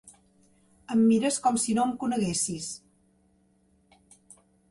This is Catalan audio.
Em mires com si no em coneguessis.